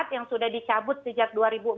yang sudah dicabut sejak